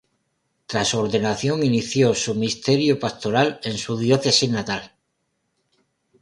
Tras su ordenación inició su ministerio pastoral en su diócesis natal.